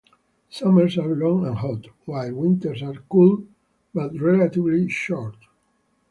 Summers are long and hot, while winters are cool but relatively short.